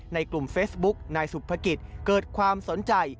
ในกลุ่มเฟซบุ๊กนายสุภกิจเกิดความสนใจ